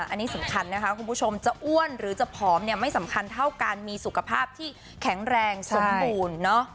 อันนี้สำคัญนะคะคุณผู้ชมจะอ้วนหรือจะผอมเนี่ยไม่สำคัญเท่าการมีสุขภาพที่แข็งแรงสมบูรณ์